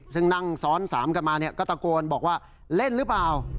ซึ่งนั่งซ้อน๓กลับมาเนี่ยก็ตะโกนบอกว่าเล่นรึเปล่า